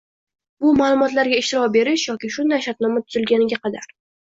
bu ma’lumotlarga ishlov berish yoki shunday shartnoma tuzilguniga qadar